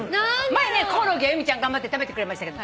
前ねコオロギは由美ちゃん頑張って食べてくれましたけど。